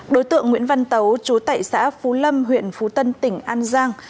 đối tượng nguyễn văn tấu trú tại xã phú lâm huyện phú tân tỉnh an giang